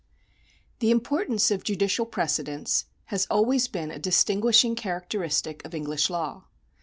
The importance of judicial precedents has always been a distinguishing characteristic of English law.